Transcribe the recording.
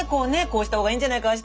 こうした方がいいんじゃないかあ